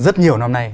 rất nhiều năm nay